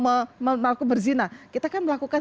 mengaku berzina kita kan melakukan